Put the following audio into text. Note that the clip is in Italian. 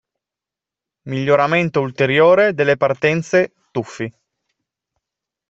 Miglioramento ulteriore delle partenze/tuffi.